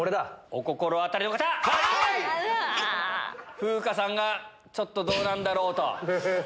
風花さんがちょっとどうなんだろう？と。